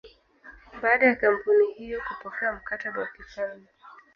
Baada ya kampuni hiyo kupokea mkataba wa kifalme